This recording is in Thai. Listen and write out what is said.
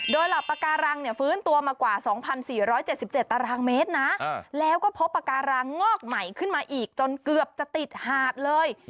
โดยเหล่าปากการังเนี่ยฟื้นตัวมากว่า๒๔๗๗ตารางเมตรนะแล้วก็พบปากการังงอกใหม่ขึ้นมาอีกจนเกือบจะติดหาดเลย